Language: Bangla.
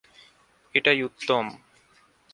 এটাই উত্তম।